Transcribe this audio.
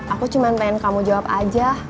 aku cuma pengen kamu jawab aja